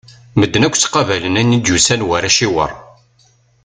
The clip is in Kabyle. Medden akk ttaqabalen ayen i d-yusan war aciwer.